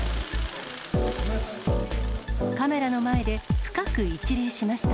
カメラの前で深く一礼しました。